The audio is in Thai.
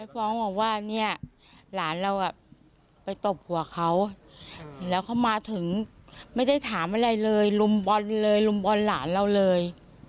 ฟ้องบอกว่าเนี่ยหลานเราไปตบหัวเขาแล้วเขามาถึงไม่ได้ถามอะไรเลยลุมบอลเลยลุมบอลหลานเราเลย